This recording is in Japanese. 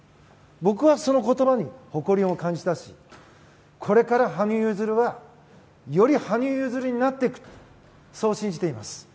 僕はその言葉に誇りを感じたしこれから羽生結弦はより羽生結弦になっていくそう信じています。